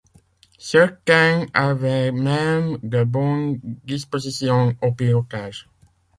Certaines avaient même de bonnes dispositions au pilotage.